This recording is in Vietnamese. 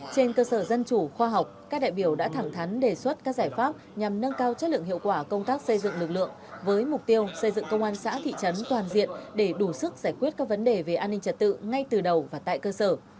trên cơ sở dân chủ khoa học các đại biểu đã thẳng thắn đề xuất các giải pháp nhằm nâng cao chất lượng hiệu quả công tác xây dựng lực lượng với mục tiêu xây dựng công an xã thị trấn toàn diện để đủ sức giải quyết các vấn đề về an ninh trật tự ngay từ đầu và tại cơ sở